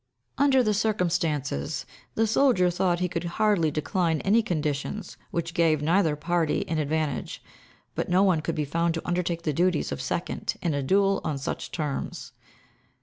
Under the circumstances, the soldier thought he could hardly decline any conditions which gave neither party an advantage, but no one could be found to undertake the duties of second in a duel on such terms.